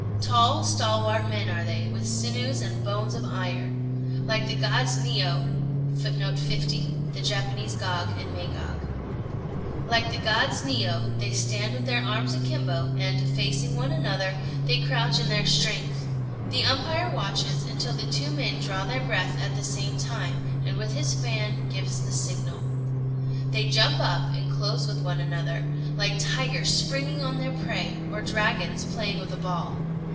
Tall stalwart men are they, with sinews and bones of iron. Like the Gods Niô, they stand with their arms akimbo, and, facing one another, they crouch in their strength. The umpire watches until the two men draw their breath at the same time, and with his fan gives the signal. They jump up and close with one another, like tigers springing on their prey, or dragons playing with a ball.